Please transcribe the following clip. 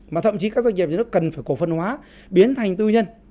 mà thậm chí các doanh nghiệp nhà nước cần phải cổ phân hóa biến thành tư nhân